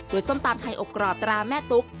ส้มตำไทยอบกรอบตราแม่ตุ๊ก